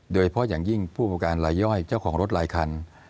โดยเฉพาะอย่างยิ่งผู้ประการรายย่อยเจ้าของรถหลายคัน